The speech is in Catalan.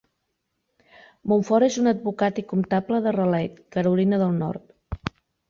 Munford és un advocat i comptable de Raleigh, Carolina de Nord.